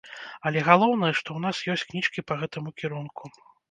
Але галоўнае, што ў нас ёсць кніжкі па гэтаму кірунку.